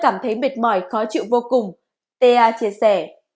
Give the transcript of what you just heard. mệt mỏi khó chịu vô cùng t a chia sẻ